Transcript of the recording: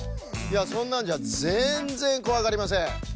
いやそんなんじゃぜんぜんこわがりません。